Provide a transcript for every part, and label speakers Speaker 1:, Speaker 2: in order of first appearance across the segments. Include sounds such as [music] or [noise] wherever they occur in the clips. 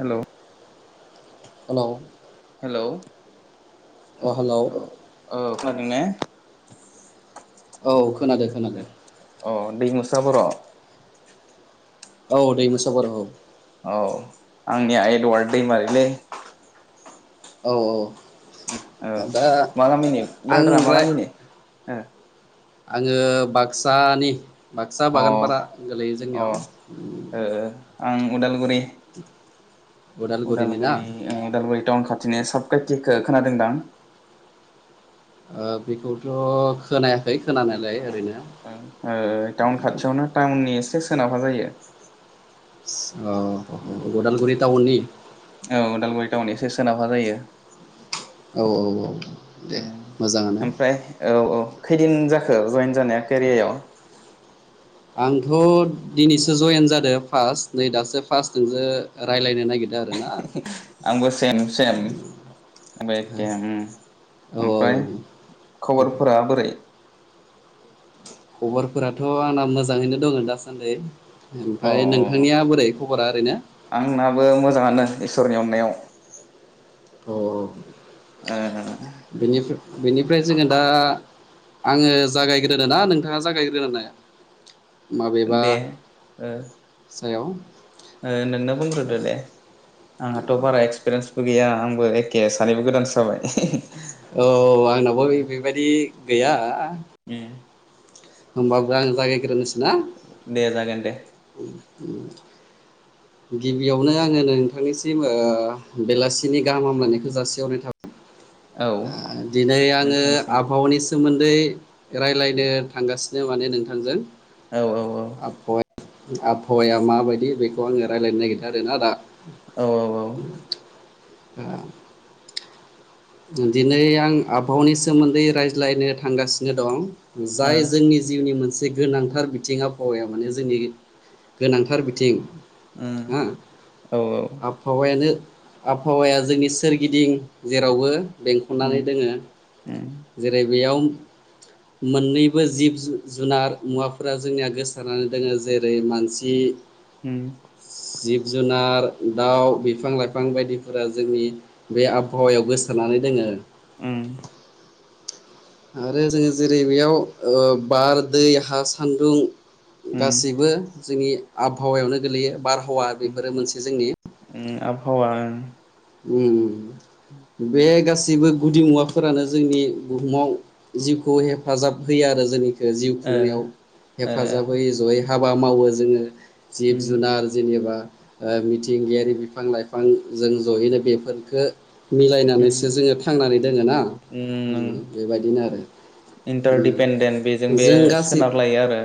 Speaker 1: हेल'
Speaker 2: hello
Speaker 1: hello
Speaker 2: hello
Speaker 1: औ औ खोनादों ने
Speaker 2: औ खोनादो खोनादो
Speaker 1: अ दैमुसा बर'
Speaker 2: औ दैमुसा बर औ
Speaker 1: औ आंनिया एडवार्ड दैमारिलै
Speaker 2: औ औ
Speaker 1: औ
Speaker 2: दा
Speaker 1: मा गामिनि
Speaker 2: आं
Speaker 1: ब्रादारा मा
Speaker 2: ओमफ्राय
Speaker 1: गामिनि ओ।
Speaker 2: आङो बाक्सानि बाक्सा
Speaker 1: ओ
Speaker 2: बागानपारा
Speaker 1: अ
Speaker 2: गोलैयो
Speaker 1: अ
Speaker 2: जोंनियाव उम
Speaker 1: ओ आं अदालगुरि
Speaker 2: उदालगुरिनि ना
Speaker 1: उदालगुरि ओ उदालगुरि ओ टाउन खाथ थिनि साबखाथिखो खोनादों दां।
Speaker 2: ओ बिखौथ' खोनायाखै। खोनानायालाय
Speaker 1: ओ
Speaker 2: ओरैनो
Speaker 1: ओ ओ टाउन खाथियावनो टाउननि एसे सोनाबहा जायो।
Speaker 2: औ उदालगुरि टाउननि
Speaker 1: औ उदालगुरि टाउन एसे सोनाबहा जायो।
Speaker 2: औ औ औ दे
Speaker 1: उम
Speaker 2: मोजाङानो।
Speaker 1: ओमफ्राय औ औ खैदिन जाखो जयेन जानाया केरियायाव
Speaker 2: आंथ' दिनैसो जयेन जादो फार्स्ट नै दासो फार्स्ट नोंजो रायलायनो नागिर जादो ना।
Speaker 1: आंबो सेम सेम। आंबो एखे ओम
Speaker 2: औ
Speaker 1: ओमफ्राय
Speaker 2: औ
Speaker 1: खबरफोरा बोरै?
Speaker 2: खबरफोराथ' आंना मोजाङैनो दङ दासान्दै।
Speaker 1: अ
Speaker 2: ओरैनो
Speaker 1: आंनाबो मोजाङानो इस सरनि अनायाव।
Speaker 2: औ औ बिनि बिनिफ्राय जोङो दा आङो जागायग्रोनो ना नोंथाङा जागायग्रोनो
Speaker 1: दे ओ
Speaker 2: हायाव
Speaker 1: ओ नोंनो बुंग्रोदोदे आंहाथ' बारा एक्सपिरियेन्स बो गैया आंबो एखे सानैबो गोदानसो जाबाय
Speaker 2: औ आंनावाबो बेबायाददि गैया
Speaker 1: उम
Speaker 2: होमबाबो आं जागाग्रोनोसै
Speaker 1: दे जागोन दे।
Speaker 2: उम गिबियावनो आङो नोंथांनिसिम ओ बेलासिनि गाहाम हामलायनायखौ जासिहरनाय थाबाय
Speaker 1: औ।
Speaker 2: ओ दिनै आङो
Speaker 1: नोंथांनिसिमबो
Speaker 2: आबहावानि सोमोन दै रायलायनो थांगासिनो माने नोंथांजों
Speaker 1: औ
Speaker 2: आबहावाया आबहावाया माबायदि बेखौ आङो रायलायनो नागिरदो आरोना दा।
Speaker 1: औ औ औ।
Speaker 2: ओ दिनै आं आबहावानि सोमोन्दै रायज्लायनो थांगासिनो दं।
Speaker 1: औ
Speaker 2: जाय जोंनि जिउनि मोनसे जे गोनांथार बिथिं आबहावाया माने जोंनि गोनांथार बिथिं।
Speaker 1: उम
Speaker 2: हो
Speaker 1: औ औ।
Speaker 2: आबहावायानो आबहावाया जोंनि सोरगिदिं जेरावबो
Speaker 1: उम
Speaker 2: बेंखननानै दोङो
Speaker 1: उम
Speaker 2: जेरै बेयाव
Speaker 1: [inaudible]
Speaker 2: मोननैबो जिब जु-जुनार मुवाफोरा जोंनिया गोसारनानै दोंङो जेरै मानसि
Speaker 1: उम
Speaker 2: जिब जुनार दाउ बिफां लाइफां बायदिफोरा जोंनि बे आबहावायाव गोसारनानै दोङो आरो जोङो जेरै बेयाव ओ बार दै हा सान्दुं
Speaker 1: उम
Speaker 2: गासैबो जोंनि आबहावायावनो गोलैयो बारहावा बेफोरो मोनसे जोंनि
Speaker 1: हावा ओं
Speaker 2: उम बे गास सैबो गुदि मुवाफोरानो जोंनि बुहुमाव जिउखौ हेफाजाब होयो आरो जों ओ जिउ
Speaker 1: ओ
Speaker 2: खुंनायाव
Speaker 1: ओ
Speaker 2: हेफाजाब जिब
Speaker 1: उम
Speaker 2: जुनार जेनेबा ओ मिथिंगायारि बिफां लाइफां जों जयैनो बेफोरखो
Speaker 1: उम
Speaker 2: मिलायनानैसो जोङो थांनानै दोङो ना
Speaker 1: उम
Speaker 2: बेबायदिनो आरो उम
Speaker 1: इन्टारडिपेन्डेन्ट बेजों बे सोनारलायो आरो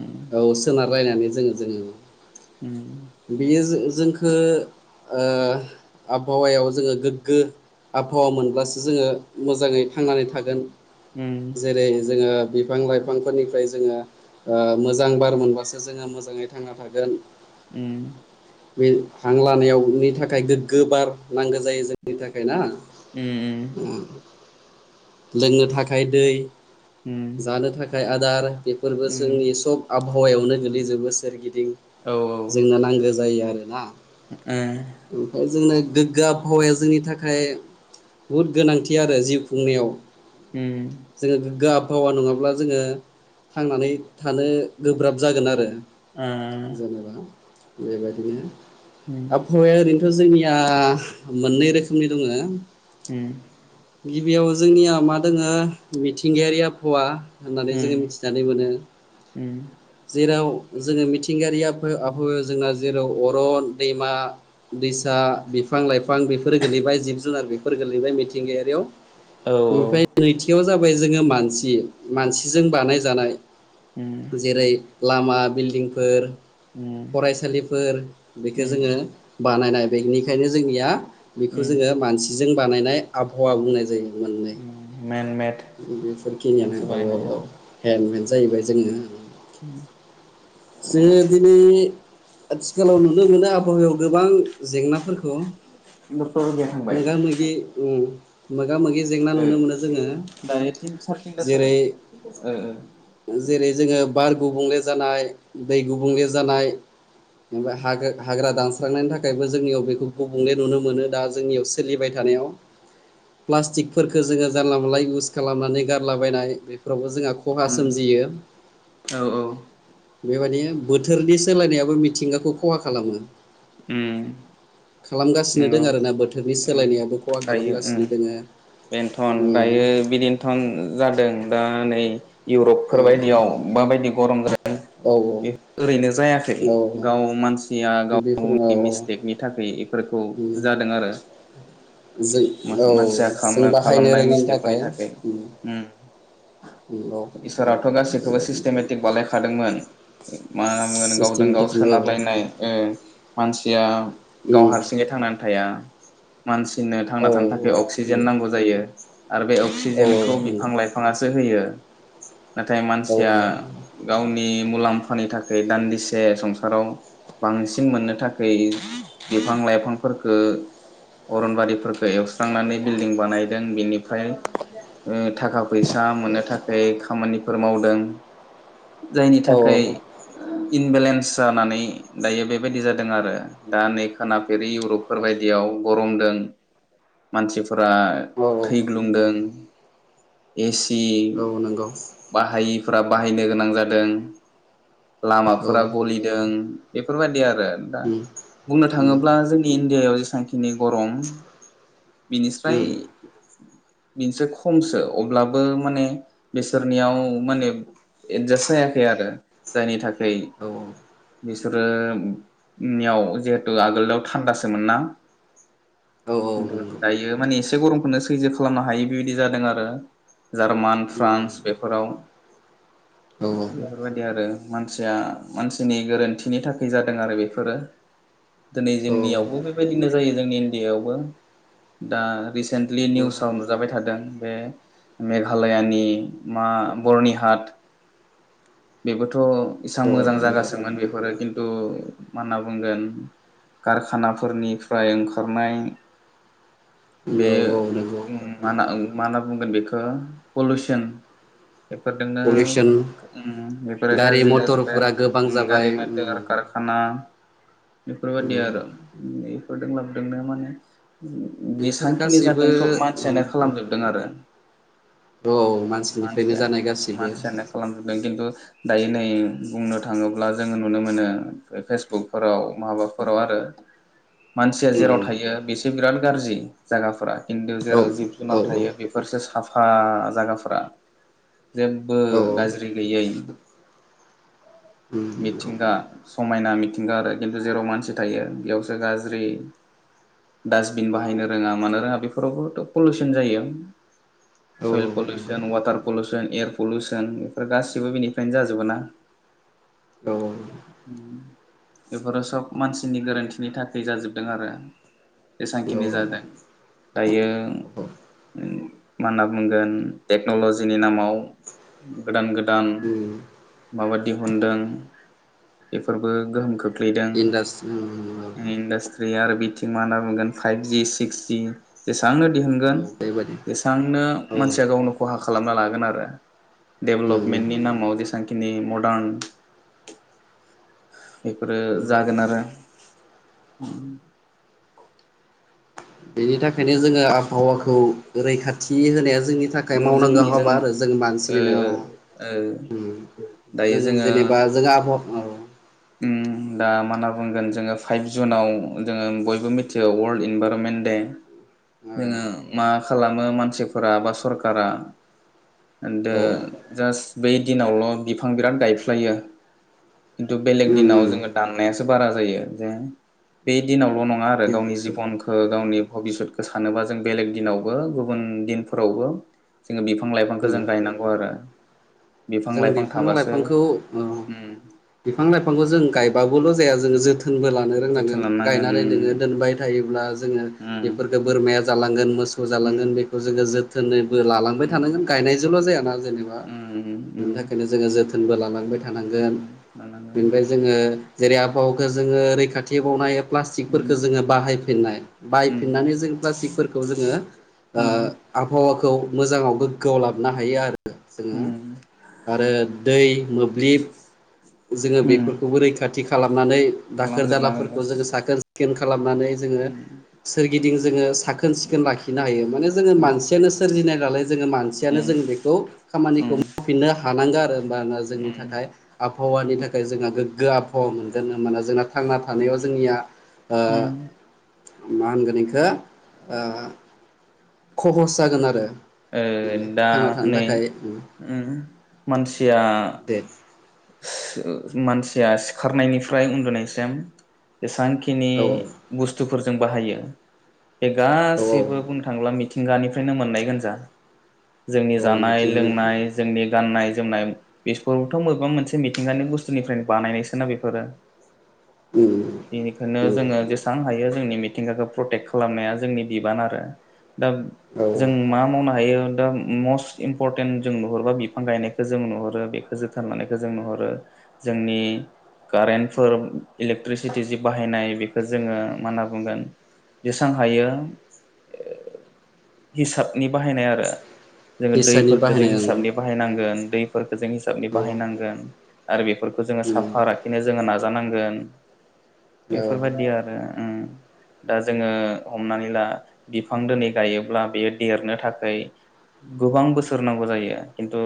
Speaker 1: उम
Speaker 2: रायनानै जोङो जोङो
Speaker 1: उम
Speaker 2: बेयो जों-जोंखो ओ आबहावायाव जोङो गोग्गो आबहावा मोनब्लासो जोङो मोजाङै थांनानै थागोन
Speaker 1: उम
Speaker 2: जेरै जोङो बिफां लाइफांफोरनिफ्राय जोङो ओ मोजां बार मोनबासो जोङो मोजाङै थांना थागोन
Speaker 1: उम
Speaker 2: बे हां लानायावनि थाखाय गोग्गो बार नांगौ जायो जोंनि थाखाय ना
Speaker 1: उम
Speaker 2: लोंनो थाखाय दै
Speaker 1: उम
Speaker 2: जानो थाखाय आदार बेफोरबो
Speaker 1: उम
Speaker 2: जोंनि सब आबहावायावनो गोलैजोबो सोरगिदिं
Speaker 1: औ ओ
Speaker 2: जोंनो नांगौ जायो आरो
Speaker 1: उम
Speaker 2: ओमफ्राय जोंनो गोग्गो आबहावाया जोंनि थाखाय बहुद गोनांथि आरो जिउ खुंनायाव
Speaker 1: ओ उम
Speaker 2: जोङो गोगाब हावा नङाब्ला जोङो थांनानै थानो गोब्राब जागोन आरो जेनेबा बेबायदिनो आबहावाया ओरैनोथ' जोंनि आ मोननै रोखोमनि दङ
Speaker 1: उम
Speaker 2: बेयाव जोंनिया मा दोङो मिथिंगायारि आबहावा होननानै जोङो
Speaker 1: उम
Speaker 2: मिथिनानै मोनो
Speaker 1: उम
Speaker 2: जेराव जोङो मि मिथिंगायारियाफो आफो जोंना जेराव अरन दैमा दैसा बिफां लाइफां बिफां बेफोर गोलैबाय जिब जुनार बेफोर गोलैबाय मिथिंगायारियाव
Speaker 1: औ औ
Speaker 2: ओमफाय नैथियाव जाबाय जोङो मानसि मानसिजों बानाय जानाय
Speaker 1: उम
Speaker 2: जेरै लामा बिल्दिंफोर
Speaker 1: उम
Speaker 2: फरायसालिफोर बेखो
Speaker 1: उम
Speaker 2: जोङो
Speaker 1: उम
Speaker 2: बानायनाय बेनिखायनो जोंनिया बेखौ
Speaker 1: उम
Speaker 2: जोङो मानसिजों बानायनाय आबहावा बुंनाय जायो मोननै
Speaker 1: मेनमेड
Speaker 2: बेफोरखिनियानो
Speaker 1: मानसि बानायनाय
Speaker 2: अबावबब हेन्दमेन जाहैबाय जोङो
Speaker 1: उम
Speaker 2: जों दिनै आथिखालाव नुनो मोनो आबहावायाव गोबां जेंनाफोरखौ
Speaker 1: डक्टर अगिया थांबाय
Speaker 2: मोगा मोगि उम मोग मोगा मोगि जेंना
Speaker 1: ओ
Speaker 2: नुनो मोनो जोङो
Speaker 1: दायो तिन साराय तिनथासो
Speaker 2: जेरै
Speaker 1: जागोन
Speaker 2: जेरै जोङो बार गुबुंले जानाय दै गुबुंले जानाय एबा हागा हाग्रा दानस्रांनायनि थाखायबो जोंनियाव बेखौ गुबुंले नुनो मोनो दा जोंनियाव सोलिबाय था थानायाव प्लास्टिक खहा सोमजियो
Speaker 1: ओ ओ
Speaker 2: बेबादिनो बोथोरनि सोलायनायाबो मिथिंगाखौ खहा खालामो
Speaker 1: उम
Speaker 2: खालामगासिनो
Speaker 1: नंगौ
Speaker 2: दङ आरो ना बोथोरनि
Speaker 1: उम
Speaker 2: सोलायनायाबो खहा खालामगासिनो दोङो
Speaker 1: बेन्थन
Speaker 2: उम
Speaker 1: दायो बिदिन्थन जादों दा नै इउरपफोर बायदियाव माबायदि गरम जादों
Speaker 2: औ
Speaker 1: बे ओरैनो जायाखै
Speaker 2: औ
Speaker 1: गाव मानसिया
Speaker 2: औ
Speaker 1: गाव
Speaker 2: बेफोर औ
Speaker 1: आंनि
Speaker 2: औ
Speaker 1: मिस्टेकनि थाखाय बेफोरखौ
Speaker 2: उम
Speaker 1: जादों आरो
Speaker 2: जों औ
Speaker 1: मासे मानसिया
Speaker 2: जों
Speaker 1: खालाम
Speaker 2: बाहायनो
Speaker 1: खालामनाय
Speaker 2: रोङिनि
Speaker 1: मिस्टेकफोरनि थाखाय
Speaker 2: उम
Speaker 1: ओम
Speaker 2: नंगौ
Speaker 1: इसोराथ' गासैखौबो
Speaker 2: बेबायदि
Speaker 1: सिस्टेमेटिक बानायखादोंमोन मा होनना बुंगोन गावजों गाव
Speaker 2: सिस्टेमेटिकनो
Speaker 1: सोनारलायनाय ओ मानसिया गाव हारसिङै थांनानै थाया मानसिनो
Speaker 2: औ उम औ
Speaker 1: थांना थानो थाखाय अक्सिजेन नांगौ जायो आरो बे
Speaker 2: औ
Speaker 1: अक्सिजेनखौ
Speaker 2: नंगौ
Speaker 1: बिफां लाइफाङासो होयो। नाथाय
Speaker 2: औ
Speaker 1: मानसिया
Speaker 2: नंगौ
Speaker 1: गावनि मुलाम्फानि थाखाय दान्दिसे संसाराव बांसिन मोननो थाखाय बिफां लाइफांफोरखो अरनबारिफोरखौ एवस्रांनानै बिल्डिं बानायदों बेनिफ्राय ओ थाखा फैसा हा मोननो थाखाय खामानिफोर मावदों जायनि
Speaker 2: औ
Speaker 1: थाखाय इनबेलेन्स जानानै दायो बेबायदि जादों। दों आरो दा नै खोनाफेरै इउरपफोर बायदियाव गरमदों मानसि फ्रा
Speaker 2: औ
Speaker 1: थैग्लुंदों एस सि
Speaker 2: औ नंगौ
Speaker 1: बाहायिफोरा बाहायनो गोनां जादों।
Speaker 2: औ
Speaker 1: लामाफोरा गलिदों बेफोरबायदि आरो दा
Speaker 2: उम
Speaker 1: बुंनो
Speaker 2: उम
Speaker 1: थाङोब्ला जोंनि इण्डियायाव जिसां खिनि गरम बिनिस्राय
Speaker 2: उम
Speaker 1: बेनोसो खमसो अब्लाबो माने बेसोरनियाव माने एदजास्ट जायाखै आरो जायनि थाखाय
Speaker 2: औ
Speaker 1: बिसोरो नियाव जिहेतु आगोलाव थान्दासोमोन ना
Speaker 2: औ
Speaker 1: खिन्थु
Speaker 2: नंगौ
Speaker 1: दायो माने एसे गरमखौनो सैज्य खालामनो हायो बेबायदि जादों आरो जार्मान
Speaker 2: उम
Speaker 1: फ्रान्स बेफोराव
Speaker 2: औ औ
Speaker 1: बेफोरबायदि आरो मानसि सिया मानसिनि गोरोन्थिनि थाखाय जादों आरो बेफोरो दिनै
Speaker 2: औ
Speaker 1: जोंनियावबो बेबायदिनो जायो जोंनि इण्डियायावबो दा रिसेन्टलि निउसाव नुजाबाय थादों बे मेघालयानि मा बरनि हाट बेबो थ' इसां मोजां
Speaker 2: नंगौ
Speaker 1: जागासोमोन बेफोरो किन्थु मा होनना बुंगोन कारखानाफोरनिफ्राय ओंखारनाय बे
Speaker 2: औ औ नंगौ
Speaker 1: मा होना मा होनना बुंगोन बेखौ पलुसन बेफोरदोंनो
Speaker 2: पलिउसन
Speaker 1: ओम बेफोरो
Speaker 2: गारि
Speaker 1: गाज्रि जाजोबबाय
Speaker 2: मटरफोरा
Speaker 1: आरो
Speaker 2: गोबां
Speaker 1: ओम
Speaker 2: जाबाय
Speaker 1: गारि
Speaker 2: उम
Speaker 1: मथर कारखा ना बेफोरबायदि
Speaker 2: उम
Speaker 1: आरो बेफोरजों लाबोदोंनो माने
Speaker 2: बेफोर
Speaker 1: जिसेबांखिनि
Speaker 2: गासैबो
Speaker 1: जादों सब मानसियानो खालामजोबदों आरो
Speaker 2: औ मानसिनिफ्रायनो
Speaker 1: मानसिया
Speaker 2: जानाय गासिबो
Speaker 1: मानसियानो खालामजुबदों खिन्थु दायो नै बुंनो थाङोब्ला जोङो नुनो मोनो फेसबुकफोराव माबाफोराव आरो मानसिया जेराव थायो बेसो बिराद गाज्रि जायागाफोरा खिन्थु
Speaker 2: औ
Speaker 1: जेराव जिब जुनार
Speaker 2: औ औ
Speaker 1: थायो बेफोरसो साफा जायगाफोरा जेबो
Speaker 2: औ
Speaker 1: गाज्रि गैयै
Speaker 2: उम नंगौ
Speaker 1: मिथिंगा समायना मिथिंगा आरो खिन्थु जेराव मानसि थायो बेयावसो गाज्रि दा जो जों बाहायनो रोङा मानो रोङा बेफोरावबोथ' पलिउसन जायो।
Speaker 2: औ
Speaker 1: सयल
Speaker 2: नंगौ
Speaker 1: pollution water pollution air pollution बेफोर गाससिबो बेनिफ्रायनो जाजोबगोना
Speaker 2: औ
Speaker 1: बेफोरो सब मानसिनि गोरोन्थिनि थाख जाजोबदों आरो
Speaker 2: औ औ
Speaker 1: एसांखिनि जादों दायो मा होनना बुंगोन टेक्न'लजिनि नामाव गोदान गो दान
Speaker 2: उम
Speaker 1: माबा दिहुनदों बेफोरबो गोहोम खो ख्लैदों
Speaker 2: इन्डास्ट्रि औ
Speaker 1: मा होनना बुंगोन फाइब जि सिकजि जेसे बांनो दिहुनगोन
Speaker 2: औ बेबायदि
Speaker 1: जेसेबांनो
Speaker 2: औ
Speaker 1: मानसिया गावनो खहा खालामना लागोन आरो
Speaker 2: उम
Speaker 1: डेभेलपमेन्टनि नामाव जेसेबांखिनि मडार्न बेफोरो
Speaker 2: उम
Speaker 1: जागोन आरो
Speaker 2: बेनि थाखायनो जोंङो आबहावाखौ रैखाथि होनाया जोंनि थाखाय मावनांगौ हाबा आरो जों
Speaker 1: ओ
Speaker 2: मानसिनिनो
Speaker 1: ओ दायो
Speaker 2: जों
Speaker 1: जोङो
Speaker 2: जेने बा जों आबहा अ
Speaker 1: उम दा मा होनना बुंगोन जोंङो फाइभ जुनाव जोंङो बयबो मिथियो अवार्ल्ड इनभाइरनमेन्ट दे जोंङो मा
Speaker 2: औ
Speaker 1: खालामो मानसिफोरा बा सरकारा दो
Speaker 2: औ
Speaker 1: जास्ट बै दिनावल बिफां बिराद गायफ्लायो दो बेलेग
Speaker 2: उम
Speaker 1: दिनाव जोंङो दान्नायासो बारासो जायो जे
Speaker 2: उम
Speaker 1: बे दिनावल' नङा आरो गावनि जिबनखौ गावनि भबिसतखौ सानोबा जों बेलेग दिनावबो गुबुन दिनफोरावबो जोंङो बिफां लाइफांखौ जों गायनांगौ आरो
Speaker 2: जों
Speaker 1: लाइफां
Speaker 2: बिफां
Speaker 1: थाबासो
Speaker 2: लाइफांखौ
Speaker 1: उम
Speaker 2: बिफां लाइफांखौ जों गायबाबल' जाया जोंङो जोथोन थोनबो लानो रोंनांगोन
Speaker 1: जोथोन
Speaker 2: गायनानै
Speaker 1: लानांगोन
Speaker 2: नोंङो दोनबाय थायोब्ला जोंङो
Speaker 1: उम
Speaker 2: बेफोरखो बोरमाया जालांगोनो गोसो
Speaker 1: उम
Speaker 2: जालांगोन बेखौ जोंङो जो जोथोनैबो लालांबाय
Speaker 1: उम
Speaker 2: थानांगोन गायनायजोंल' जायाना जेनेबा
Speaker 1: उम
Speaker 2: बिनि
Speaker 1: उम
Speaker 2: थाखायनो जोंङो जोथोनबो ला लांबाय थानांगोन
Speaker 1: उम लानांगोन
Speaker 2: जोंङो जेरै आबहावाखौ जोंङो रैखाथिहोबावनाय
Speaker 1: उम
Speaker 2: प्लास्टिकफोरखौ जोङो बाहायफिननाय
Speaker 1: उम
Speaker 2: बाहायफिननानै जोंङो प्लास्टिकफोरखौ जोंङो
Speaker 1: उम
Speaker 2: आबहावाखौ मोजाङाव गोग्गोआव लाबोनो हायो आरो जोंङो
Speaker 1: उम
Speaker 2: आरो दै मोब्लिब जोंङो
Speaker 1: उम
Speaker 2: बेफोरखौबो रैखाथि खालामो खालामनानै दाखोर
Speaker 1: खालामजोबनांगोन
Speaker 2: दालाफोरखौ
Speaker 1: गासै
Speaker 2: जोंङो साखोन सिखोन खालामनानै जोंङो
Speaker 1: उम
Speaker 2: सोरगिदिं जोंङो साखोन सिखोन लाखिनो हायो माने जोंङो
Speaker 1: उम
Speaker 2: मानसियानो सोरजिनाय नलाय जोंङो मानसियानो
Speaker 1: उम
Speaker 2: जों बेखौ खामानिखौ
Speaker 1: उम
Speaker 2: माव हानांगोन आरो हबा जोंनि
Speaker 1: उम
Speaker 2: थाखाय आबहावानि थाखाय जोंहा गोग्गो आबहावा मोनगोन माना जोंना थांना थानायाव जोंनिया
Speaker 1: उम
Speaker 2: मा होनगोन बेखौ ओ खहस जागोन आरो
Speaker 1: ओ
Speaker 2: माने
Speaker 1: दा
Speaker 2: थांना थानो
Speaker 1: नै
Speaker 2: थाखाय
Speaker 1: ओहो मानसिया
Speaker 2: दे
Speaker 1: मानसिया सिखारनायनिफ्राय उन्दुनायसिम एसां खिनि
Speaker 2: औ
Speaker 1: बुस्थुफोरजों बाहायो बे
Speaker 2: औ औ
Speaker 1: गासैबो बुंनो थाङोब्ला मिथि गानिफ्रायनो मोननाय गोजा जोंनि
Speaker 2: औ
Speaker 1: जानाय
Speaker 2: मिथिंगानि
Speaker 1: लोंनाय जोंनि गाननाय जोमनाय बेबोथ बबेबा मोनसे मिथिंगानि बुस्थुनिफ्राय बानायनायसोना बेफोरो
Speaker 2: उम
Speaker 1: बेनिखायनो
Speaker 2: नंगौ
Speaker 1: जोंङो जेसेबां हायो जोंनि मिथिंगाखौ प्रटेक खालामनाया जोंनि बिबान आरो दा
Speaker 2: औ
Speaker 1: जों मा मावनो हायो दा मस्ट इम्परटेन्ट जों नुहरोबा बिफां गायनायखौ जों नुहरो बेखौ जोथोनलानायखो जों नुहरो जोंनि कारेन्टफोर इलेक्ट्रिसिटि जि बाहायनाय बेखौ जोंङो मा होनना बुंगोन जेसेबां हायो [inaudible] हिसाबनि बाहायनाय आरो जोंङो
Speaker 2: केसानि
Speaker 1: दैफोरखौ जों
Speaker 2: बाहायनाय
Speaker 1: हिसाबनि बाहायनांगोन दैफोरखो जों हिसाबनि
Speaker 2: ओं
Speaker 1: बाहायनांगोन आरो बेफोरखौ जोंङो साफा लाखिनो जोंङो नाजानांगोन
Speaker 2: औ
Speaker 1: बेफोरबायादि आरो दा जोंङो हमनानै ला बिफां दोनै गायोब्ला बेयो देरनो थाखाय गोबां बोसोर नांगौ जायो खिन्थु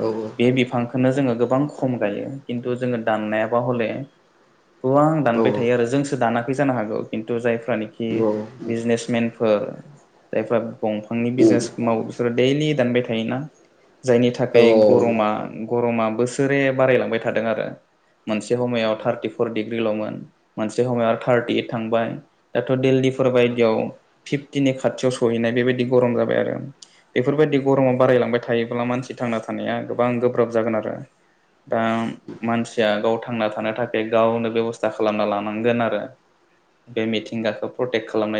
Speaker 2: औ
Speaker 1: बे बिफांखौनो जोंङो। गोबां खम गायो खिन्थु जोंङो दाननायाबा हले। गोबां दानबाय थायो आरो जोंसो दानाखै जानो हागौ खिन्थु जाय। फ्रानिखि
Speaker 2: औ
Speaker 1: बिजनेसमेनफोर जायफ्रा। दंफांनि बिजनेस मावो बिसोरो दैलि दानबाय थायोना। जायनि
Speaker 2: औ
Speaker 1: थाखाय गरमा गरमा बोसोरै बारायलांबाय थादों आरो। मोनसे समायाव थार्टिफर डिग्रिल'मोन मोनसे समायाव थार्टि इट थांबाय दाथ' दिल्ली।
Speaker 2: औ
Speaker 1: बायायदियाव फिफटिनि खाथियाव सहैनाय बेबायदि गरम जाबाय आरो बे। बेफोरबायदि गरमाव बारायलांबाय थायोब्ला मानसि थांना थानाया गोबां गोब्राब जागोन आरो। दा मानसिया गाव थांना थानो थाखाय गावनो बेब'स्था खालामना लानांगोन आरो। बे मिथिंगाखौ प्रटेक्ट खालामनाय जायो।